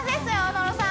野呂さん